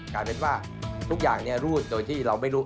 กลายเป็นว่าทุกอย่างรูดโดยที่เราไม่รู้